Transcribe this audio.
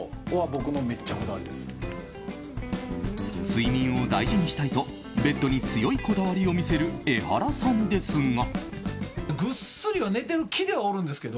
睡眠を大事にしたいとベッドに強いこだわりを見せるエハラさんですが。